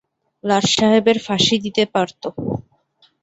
লাট সাহেবের ফাঁসি দিতে পারত।